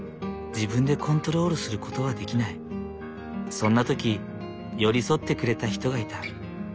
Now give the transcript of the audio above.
そんな時寄り添ってくれた人がいた。